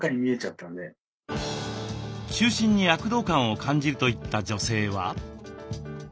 中心に躍動感を感じるといった女性は？